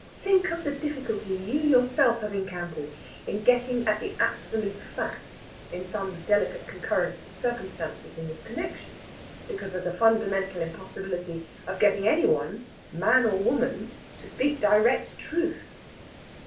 Think of the difficulty you yourself have encountered in getting at the absolute facts in some delicate concurrence of circumstances in this connexion, because of the fundamental impossibility of getting any one, man or woman, to speak direct truth!